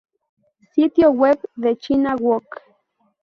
Sitio web de China Wok